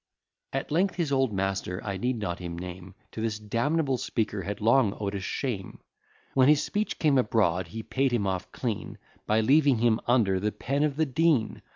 At length his old master, (I need not him name,) To this damnable speaker had long owed a shame; When his speech came abroad, he paid him off clean, By leaving him under the pen of the Dean.